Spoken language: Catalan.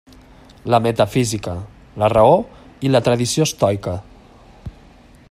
La metafísica, la raó, i la tradició estoica.